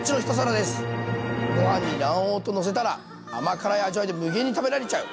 ご飯に卵黄とのせたら甘辛い味わいで無限に食べられちゃう。